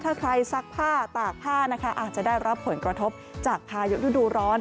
ถ้าใครซักผ้าตากผ้านะคะอาจจะได้รับผลกระทบจากพายุฤดูร้อน